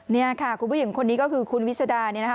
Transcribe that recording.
นี่ค่ะคุณผู้หญิงคนนี้ก็คือคุณวิสดาเนี่ยนะคะ